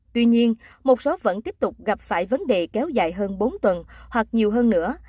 tuy nhiên một số vẫn tiếp tục gặp phải vấn đề kéo dài hơn bốn tuần hoặc nhiều hơn nữa